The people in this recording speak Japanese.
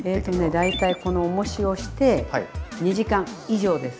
大体このおもしをして２時間以上です。